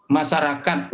jadi kalau misalnya